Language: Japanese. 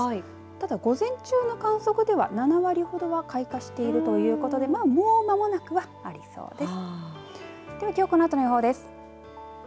ただ、午前中の観測では７割ほどは開花しているということでもう間もなくはありそうです。